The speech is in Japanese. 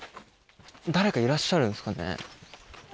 誰かいらっしゃるんですかね。